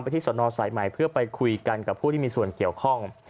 ที่สนสายใหม่เพื่อไปคุยกันกับผู้ที่มีส่วนเกี่ยวข้อง